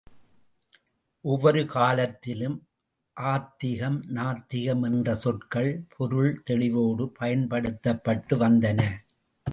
ஒவ்வொரு காலத்திலும் ஆத்திகம், நாத்திகம் என்ற சொற்கள் பொருள் தெளிவோடு பயன்படுத்தப்பட்டு வந்தன.